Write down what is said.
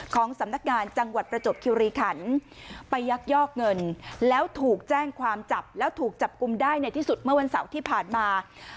ของสำนักงานจังหวัดประจบคิวรีขันไปยักยอกเงินแล้วถูกแจ้งความจับแล้วถูกจับกลุ่มได้ในที่สุดเมื่อวันเสาร์ที่ผ่านมา